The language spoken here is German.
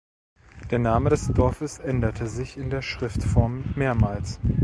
Der Name des Dorfes änderte sich in der Schriftform mehrmals.